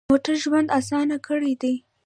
موټر ژوند اسان کړی دی.